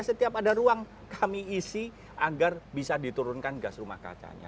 setiap ada ruang kami isi agar bisa diturunkan gas rumah kacanya